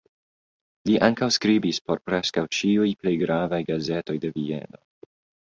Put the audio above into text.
Li ankaŭ skribis por preskaŭ ĉiuj plej gravaj gazetoj de Vieno.